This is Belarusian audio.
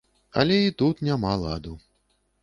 Але і тут няма ладу.